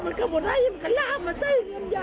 มันกระล่ามมาซึ่งกับยายเลย